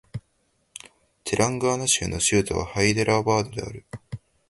テランガーナ州の州都はハイデラバードである